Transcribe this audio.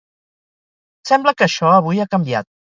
Sembla que això avui ha canviat.